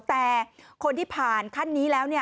แต่คนที่ผ่านขั้นนี้แล้ว